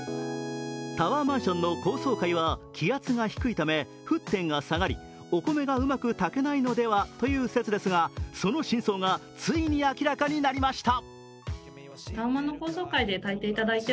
タワーマンションの高層階は気圧が低いため沸点が下がり、お米がうまく炊けないのではという説ですがその真相がついに明らかになりました。